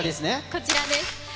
こちらです。